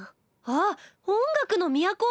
あっ音楽の都。